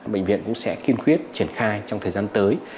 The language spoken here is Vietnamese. bệnh viện cũng sẽ kiên quyết triển khai trong thời gian tới